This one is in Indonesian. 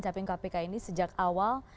capim kpk ini sejak awal